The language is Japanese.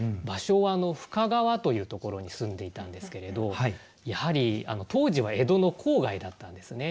芭蕉は深川というところに住んでいたんですけれどやはり当時は江戸の郊外だったんですね。